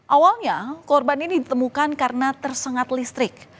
awalnya korban ini ditemukan karena tersengat listrik